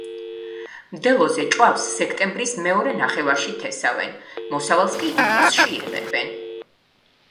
მდელოზე ჭვავს სექტემბრის მეორე ნახევარში თესავენ, მოსავალს კი ივლისში იღებენ.